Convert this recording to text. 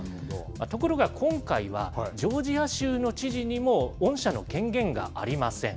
ところが今回は、ジョージア州の知事にも恩赦の権限がありません。